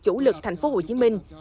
chủ lực tp hcm